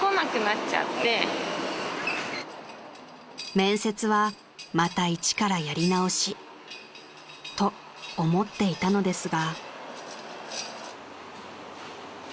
［面接はまた一からやり直し］［と思っていたのですが］